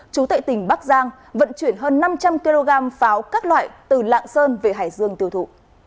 chú tại tỉnh bắc giang vận chuyển hơn năm trăm linh kg pháo các loại từ lạng sơn về hải dương tiêu thụ